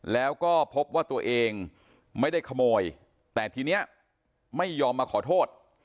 แล้วก็พบว่าตัวเองไม่ได้ขโมยแต่ทีนี้ไม่ยอมมาขอโทษ